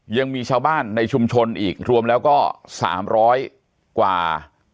ยังมีชาวบ้านในชุมชนอีกรวมแล้วก็๓๐๐กว่า